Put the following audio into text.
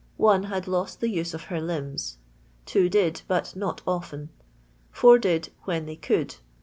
1 had lost the UBS of her limbs. 2 did, bat "not often." 4 did "when thej could."